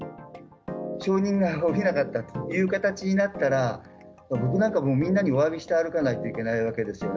承認が下りなかったという形になったら、僕なんか、もう、みんなにおわびして歩かないといけないわけですよね。